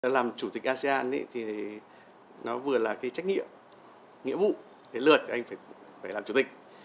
làm chủ tịch asean thì nó vừa là cái trách nhiệm nghĩa vụ để lượt anh phải làm chủ tịch